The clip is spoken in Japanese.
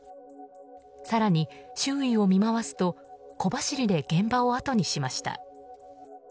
更に周囲を見回すと小走りで現場をあとにしました。